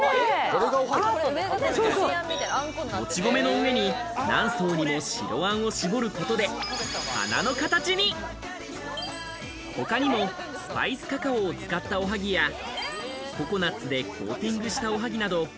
もち米の上に、何層にも白餡を絞ることで鼻の形に他にもスパイスカカオを使ったおはぎや、ココナツでコーティングしたおはぎなど。